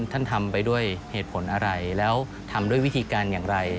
ท่านทำไปด้วยเหตุผลอะไรแล้วทำด้วยวิธีการอย่างไร